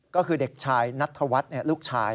ก็คือเด็กชายนัทธวัฒน์ลูกชาย